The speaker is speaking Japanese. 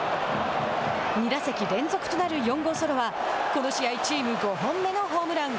２打席連続となる４号ソロはこの試合チーム５本目のホームラン。